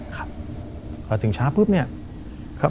เดี๋ยวถึงเช้า